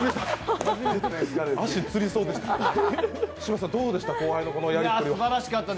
足つりそうでした。